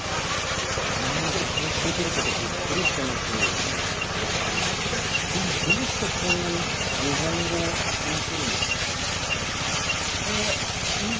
こんなにお話できることビックリしてますでもどうしてこんなに日本語話せるんですか？